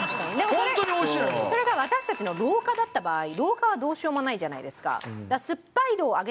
でもそれそれが私たちの老化だった場合老化はどうしようもないじゃないですか。